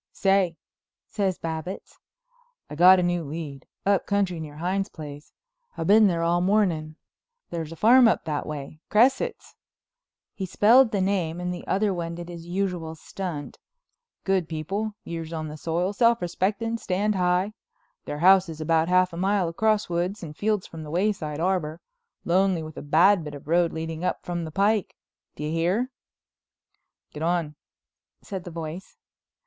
"Say," says Babbitts, "I got a new lead—up country near Hines' place. I been there all morning. There's a farm up that way. Cresset's"—he spelled the name and the other one did his usual stunt—"Good people, years on the soil, self respecting, stand high. Their house is about half a mile across woods and fields from the Wayside Arbor, lonely with a bad bit of road leading up from the pike. Do you hear?" "Get on," said the voice.